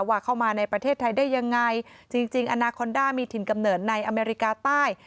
ว่าเข้ามาในประเทศไทยได้ยังไงจริงจริงอนาคอนด้ามีถิ่นกำเนิดในอเมริกาใต้